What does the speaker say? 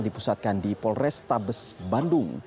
dipusatkan di polrestabes bandung